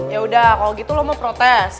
yaudah kalau gitu lo mau protes